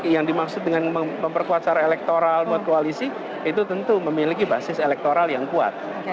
yang dimaksud dengan memperkuat secara elektoral buat koalisi itu tentu memiliki basis elektoral yang kuat